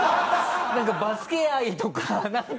バスケ愛とかなんか。